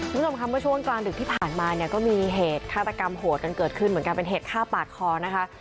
คุณผู้ชมค่ะเมื่อช่วงกลางดึกที่ผ่านมาเนี่ยก็มีเหตุฆาตกรรมโหดกันเกิดขึ้นเหมือนกันเป็นเหตุฆ่าปาดคอนะคะ